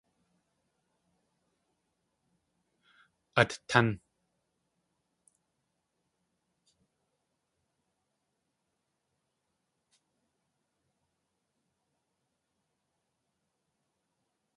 Át tán!